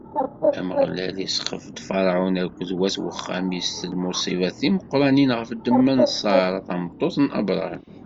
Ameɣlal isxeḍ-d Ferɛun akked wat wexxam-is s lmuṣibat timeqranin ɣef ddemma n Ṣara, tameṭṭut n Abṛaham.